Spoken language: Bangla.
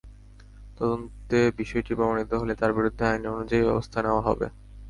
তদন্তে বিষয়টি প্রমাণিত হলে তাঁর বিরুদ্ধে আইন অনুযায়ী ব্যবস্থা নেওয়া হবে।